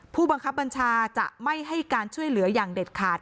ผู้บังคับบัญชาจะไม่ให้การช่วยเหลืออย่างเด็ดขาด